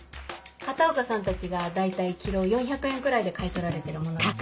片岡さんたちが大体ｋｇ４００円くらいで買い取られてるものです。